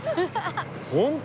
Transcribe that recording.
本当。